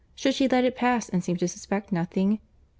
—should she let it pass, and seem to suspect nothing?